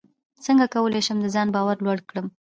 څنګه کولی شم د ځان باور لوړ کړم